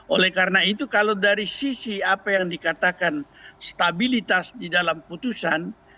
oleh karena itu kalau dari sisi apa yang dikatakan stabilitas di dalam putusan